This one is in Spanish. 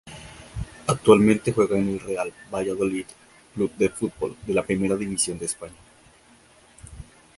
Actualmente juega en el Real Valladolid C. F. de la Primera División de España.